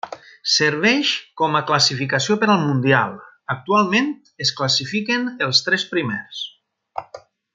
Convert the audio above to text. Serveix com a classificació per al Mundial; actualment es classifiquen els tres primers.